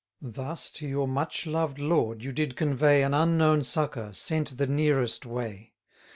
Thus to your much loved lord you did convey An unknown succour, sent the nearest way.